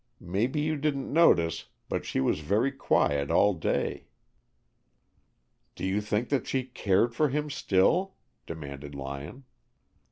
Maybe you didn't notice, but she was very quiet all day." "Do you think that she cared for him still?" demanded Lyon.